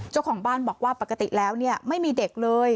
เจ้าของบ้านบอกว่าปกติแล้วไม่มีเด็กเลย